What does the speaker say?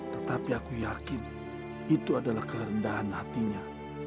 tetapi aku yakin itu adalah kerendahan hatinya